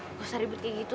nggak usah ribet kayak gitu